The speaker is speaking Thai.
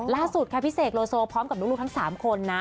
ล่าสุดค่ะพี่เสกโลโซพร้อมกับลูกทั้ง๓คนนะ